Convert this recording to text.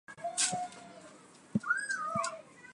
Rajši srce brez besed kot besede brez srca.